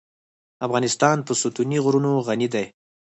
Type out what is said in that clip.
افغانستان په ستوني غرونه غني دی.